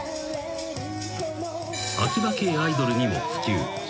［アキバ系アイドルにも普及］